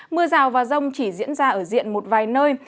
mưa rào và rông chỉ diễn ra ở diện một vài nơi